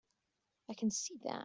I can see that.